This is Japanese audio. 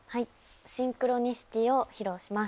『シンクロニシティ』を披露します。